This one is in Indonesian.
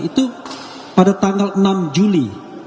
itu pada tanggal enam juli